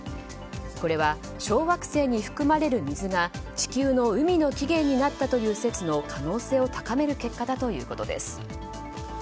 これは、小惑星に含まれる水が地球の海の起源になったという説の可能性を高める結果だということです。